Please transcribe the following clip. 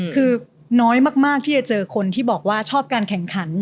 คือน้อยมากที่จะเจอคนที่บอกว่าชอบการแข่งขัน